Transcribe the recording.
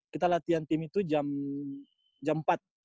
kita latihan tim itu jam empat